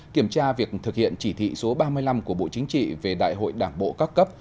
kiểm tra việc thực hiện chỉ thị số ba mươi năm của bộ chính trị về đại hội đảng bộ các cấp